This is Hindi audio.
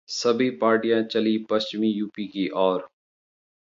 सभी पार्टियां चलीं पश्चिमी यूपी की ओर